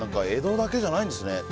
江戸だけじゃないんですね。